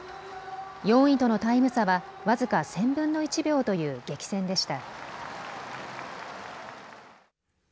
４位とのタイム差は僅か１０００分の１秒という激戦でした。